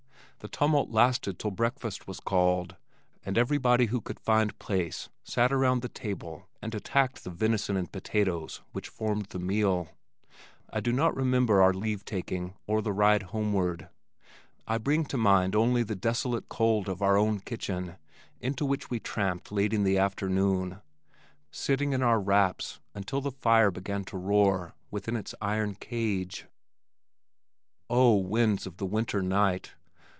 The tumult lasted till breakfast was called, and everybody who could find place sat around the table and attacked the venison and potatoes which formed the meal. I do not remember our leave taking or the ride homeward. I bring to mind only the desolate cold of our own kitchen into which we tramped late in the afternoon, sitting in our wraps until the fire began to roar within its iron cage. Oh, winds of the winter night!